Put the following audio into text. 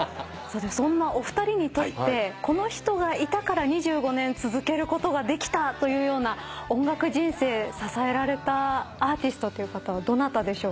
そんなお二人にとってこの人がいたから２５年続けることができたというような音楽人生支えられたアーティストという方はどなたでしょうか？